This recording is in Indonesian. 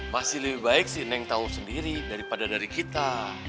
masih lebih baik si neng tahu sendiri daripada dari kita